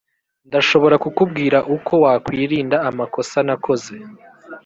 ndashobora kukubwira uko wakwirinda amakosa nakoze.